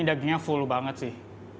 dagingnya full banget sih